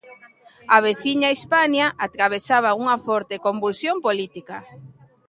A veciña Hispania atravesaba unha forte convulsión política.